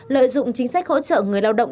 lợi dụng chính sách hỗ trợ người lao động